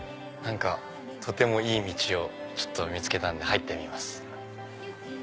とてもいい道を見つけたんで入ってみます。